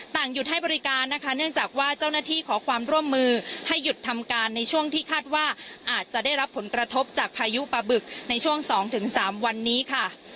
หยุดให้บริการนะคะเนื่องจากว่าเจ้าหน้าที่ขอความร่วมมือให้หยุดทำการในช่วงที่คาดว่าอาจจะได้รับผลกระทบจากพายุปลาบึกในช่วง๒๓วันนี้ค่ะ